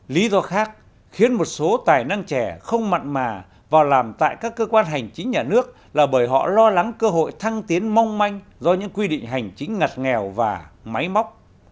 lý do khác khiến một số tài năng trẻ không mặn mà vào làm tại các cơ quan hành chính nhà nước là bởi họ lo lắng cơ hội thăng tiến mong manh do những quy định hành chính ngặt nghèo và máy móc